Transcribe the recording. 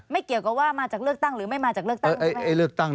เกี่ยวกับว่ามาจากเลือกตั้งหรือไม่มาจากเลือกตั้ง